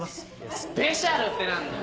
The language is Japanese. スペシャルって何だよ。